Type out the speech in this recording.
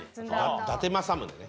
伊達政宗ね。